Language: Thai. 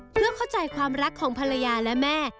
เพื่อเข้าใจความรักของภรรยาและแม่